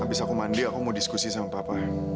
abis aku mandi aku mau diskusi sama papa